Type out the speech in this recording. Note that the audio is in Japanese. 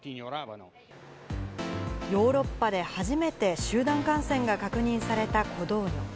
ヨーロッパで初めて集団感染が確認されたコドーニョ。